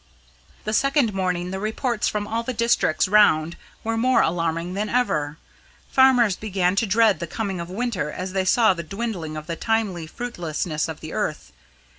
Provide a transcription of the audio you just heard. The second morning the reports from all the districts round were more alarming than ever. Farmers began to dread the coming of winter as they saw the dwindling of the timely fruitfulness of the earth.